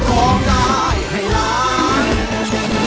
ร้องได้ให้ร้อง